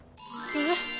えっ？